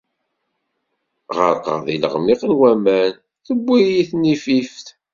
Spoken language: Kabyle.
Ɣerqeɣ di leɣmiq n waman, tewwi-yi tnifift.